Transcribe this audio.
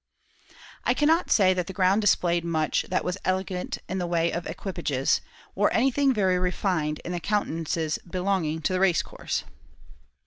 I cannot say that the ground displayed much that was elegant in the way of equipages, or anything very refined in the countenances belonging to the race course.